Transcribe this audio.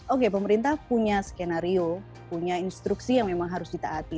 oke pemerintah punya skenario punya instruksi yang memang harus ditaati